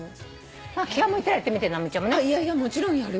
気が向いたらやってみて直美ちゃんもね。もちろんやる。